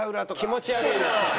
気持ち悪いな！